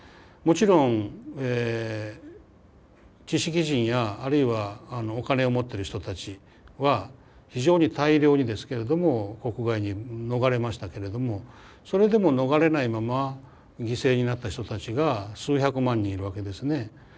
もちろん知識人やあるいはお金を持ってる人たちは非常に大量にですけれども国外に逃れましたけれどもそれでも逃れないまま犠牲になった人たちが数百万人いるわけですね。